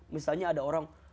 misalnya ada orang